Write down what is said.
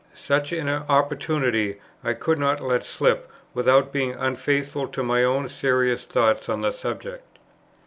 Such an opportunity I could not let slip without being unfaithful to my own serious thoughts on the subject.